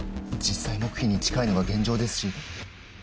実際黙秘に近いのが現状ですし。